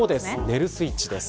寝るスイッチです。